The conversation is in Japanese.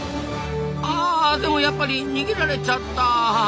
あでもやっぱり逃げられちゃった。